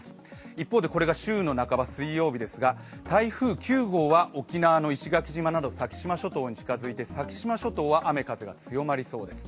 一方で、これが週の半ば、水曜日ですが、台風９号は沖縄の石垣島など先島諸島に近づいて、先島諸島は雨風が強まりそうです。